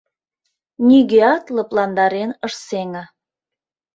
Нигӧат лыпландарен ыш сеҥе.